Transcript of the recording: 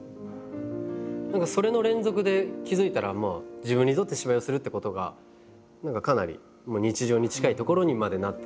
何かそれの連続で気付いたら自分にとって芝居をするってことが何かかなり日常に近いところにまでなって。